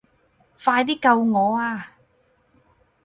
快啲救我啊